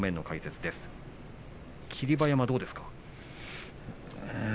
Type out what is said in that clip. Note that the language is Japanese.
霧馬山、どうですか？